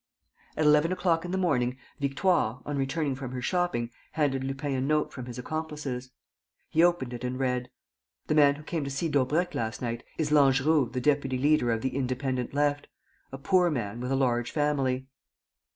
At eleven o'clock in the morning Victoire, on returning from her shopping, handed Lupin a note from his accomplices. He opened it and read: "The man who came to see Daubrecq last night is Langeroux the deputy, leader of the independent left. A poor man, with a large family."